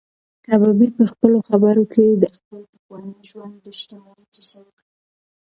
کبابي په خپلو خبرو کې د خپل پخواني ژوند د شتمنۍ کیسه وکړه.